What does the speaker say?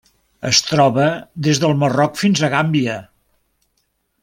Es troba des del Marroc fins a Gàmbia.